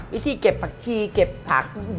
วิธีเก็บผักชีเก็บผัก